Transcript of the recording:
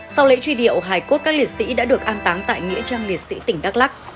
sau lễ truy điệu hải cốt các liệt sĩ đã được an táng tại nghĩa trang liệt sĩ tỉnh đắk lắc